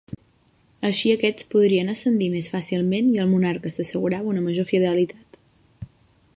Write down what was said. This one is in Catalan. Així aquests podrien ascendir més fàcilment i el monarca s'assegurava una major fidelitat.